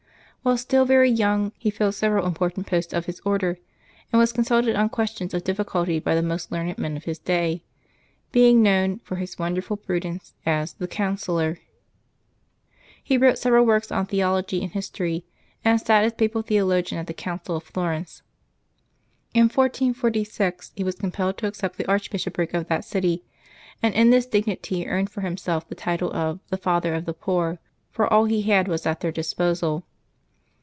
While still very young, he filled several important posts of his Order, and was consulted on questions of difficulty by the most learned men of his day; being known, for his wonderful prudence, as " the Counsellor." He wrote several works on theology and history, and sat as Papal Theologian at the Council of Florence. In 1446 he was compelled to accept the arch bishopric of that city ; and in this dignity earned for him self the title of " the Father of the Poor,'" for all he had was at their disposal.